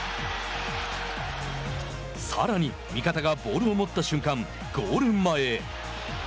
さらに味方がボールを持った瞬間ゴール前へ。